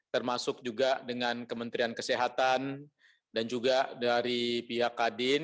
termasuk juga dengan kementerian kesehatan dan juga dari pihak kadin